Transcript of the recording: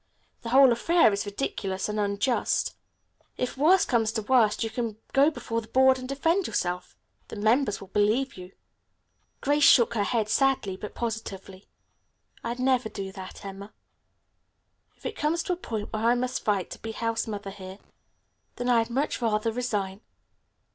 The whole affair is ridiculous and unjust. If worse comes to worst you can go before the Board and defend yourself. The members will believe you." Grace shook her head sadly, but positively. "I'd never do that, Emma. If it comes to a point where I must fight to be house mother here, then I'd much rather resign.